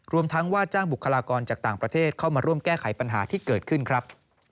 รวมทั้งว่าจ้างบุคลากรจากต่างประเทศเข้ามาร่วมแก้ไขปัญหาที่เกิดขึ้นครับ